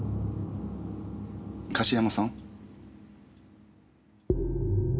樫山さん？